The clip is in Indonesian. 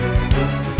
ya kita berhasil